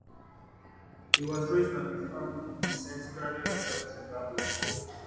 He was raised on a farm in the Centenary area of Zimbabwe.